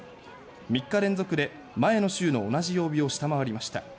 ３日連続で、前の週の同じ曜日を下回りました。